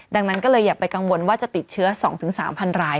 ดังนั้นก็เลยอย่าไปกังวลว่าจะติดเชื้อ๒๓๐๐ราย